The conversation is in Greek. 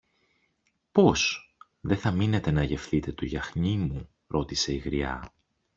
Πώς; Δε θα μείνετε να γευθείτε το γιαχνί μου; ρώτησε η γριά.